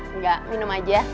enggak minum aja